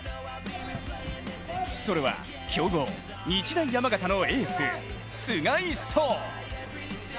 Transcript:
それは、強豪・日大山形のエース菅井颯。